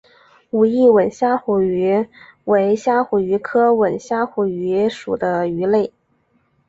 武义吻虾虎鱼为虾虎鱼科吻虾虎鱼属的鱼类。